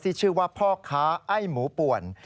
ที่ชื่อว่าพ่อค้าไอ้หมูป่วน